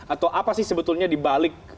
atau apa sih sebetulnya dibalik